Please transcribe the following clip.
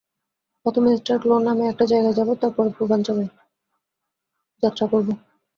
প্রথমে star clone নামে একটা জায়গায় যাব এবং তার পরে পূর্বাঞ্চচলে যাত্রা করব।